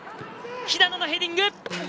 肥田野のヘディング！